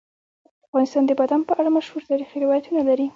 افغانستان د بادام په اړه مشهور تاریخی روایتونه لري.